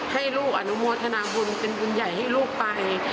ให้ลูกอนุโมทนาบุญเป็นบุญใหญ่ให้ลูกไป